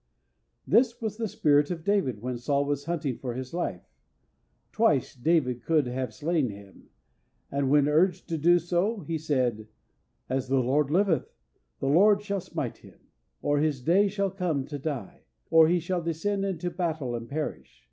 This was the spirit of David, when Saul was hunting for his life; twice David could have slain him, and when urged to do so, he said, "As the Lord liveth, the Lord shall smite him; or his day shall come to die; or he shall descend into battle and perish.